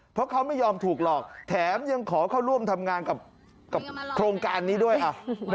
เพราะเขาไม่ยอมถูกหลอกแถมยังขอเข้าร่วมทำงานกับโครงการนี้ด้วย